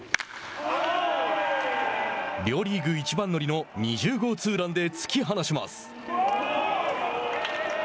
両リーグ一番乗りの２０号ツーランで突き放します。